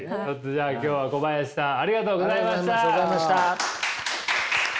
じゃあ今日は小林さんありがとうございました。